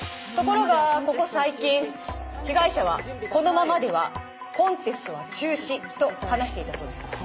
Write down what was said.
ところがここ最近被害者はこのままではコンテストは中止と話していたそうです。